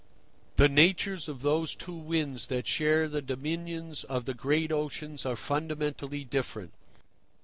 The natures of those two winds that share the dominions of the great oceans are fundamentally different.